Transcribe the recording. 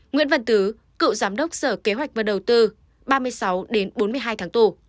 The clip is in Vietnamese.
nguyễn văn tứ cựu giám đốc sở kế hoạch và đầu tư ba mươi sáu đến bốn mươi hai tháng tù